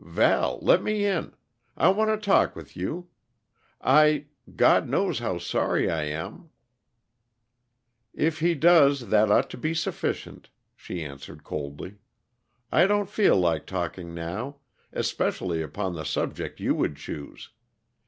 "Val, let me in. I want to talk with you. I God knows how sorry I am " "If He does, that ought to be sufficient," she answered coldly. "I don't feel like talking now especially upon the subject you would choose.